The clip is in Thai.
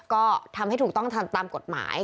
ก็ทำให้ถูกต้องทันตามกฎหมาย